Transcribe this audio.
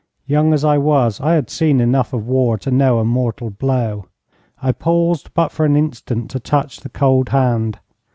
Young as I was, I had seen enough of war to know a mortal blow. I paused but for an instant to touch the cold hand.